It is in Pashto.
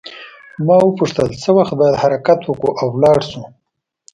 ما وپوښتل څه وخت باید حرکت وکړو او ولاړ شو.